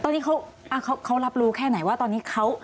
ตอนนี้เขารับรู้แค่ไหนว่าตอนนี้เขา